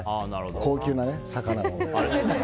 高級な魚。